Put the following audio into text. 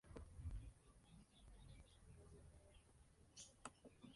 En este club permaneció cinco temporadas.